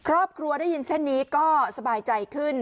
ครอบครัวได้ยินเช่นนี้ก็สบายใจขึ้น